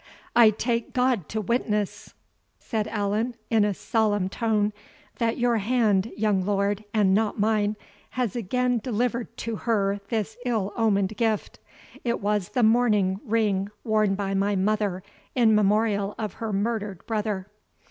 "I take God to witness," said Allan, in a solemn tone, "that your hand, young lord, and not mine, has again delivered to her this ill omened gift. It was the mourning ring worn by my mother in memorial of her murdered brother."